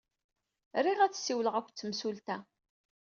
Riɣ ad ssiwleɣ akked temsulta.